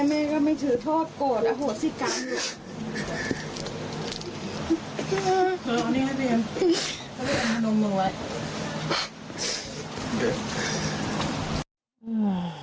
แม่ก็ไม่ถือโทษโกรธอโหสิกรรม